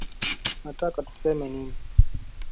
Unataka tuseme nini